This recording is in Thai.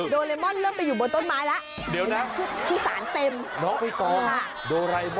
โดเรมอนเริ่มไปอยู่บนต้นไม้แล้ว